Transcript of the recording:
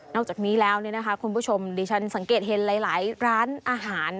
อกจากนี้แล้วคุณผู้ชมดิฉันสังเกตเห็นหลายร้านอาหาร